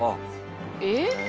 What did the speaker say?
えっ？